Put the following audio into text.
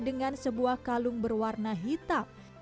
dengan sebuah kalung berwarna hitam